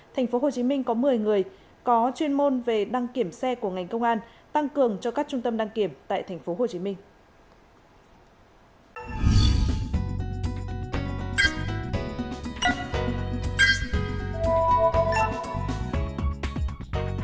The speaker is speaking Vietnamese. thành phố hồ chí minh có một mươi người có chuyên môn về đăng kiểm xe của ngành công an tăng cường cho các trung tâm đăng kiểm tại thành phố hồ chí minh